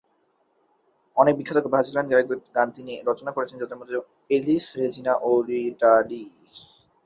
অনেক বিখ্যাত ব্রাজিলীয় গায়কদের গান তিনি রচনা করেছেন যাদের মধ্য আছেন এলিস রেজিনা ও রিটা লি।